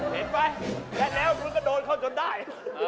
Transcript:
เห็นป่ะแม่แนวพื้นก็โดนเข้าจนได้